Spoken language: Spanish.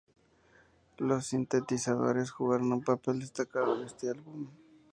Los sintetizadores jugaron un papel destacado en este álbum.